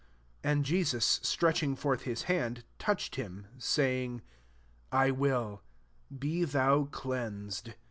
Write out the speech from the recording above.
3 And Jesus stretching forth Ma huid, touched him, saying, *' I will ; be thou clean sed."